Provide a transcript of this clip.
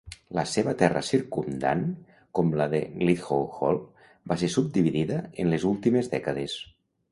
La seva terra circumdant, com la de Gledhow Hall, va ser subdividida en les últimes dècades.